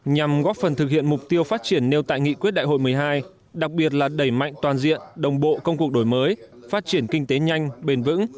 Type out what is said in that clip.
nhằm góp phần thực hiện mục tiêu phát triển nêu tại nghị quyết đại hội một mươi hai đặc biệt là đẩy mạnh toàn diện đồng bộ công cuộc đổi mới phát triển kinh tế nhanh bền vững